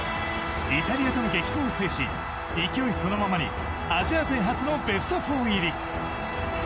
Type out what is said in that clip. イタリアとの激闘を制し勢いそのままにアジア勢初のベスト４入り。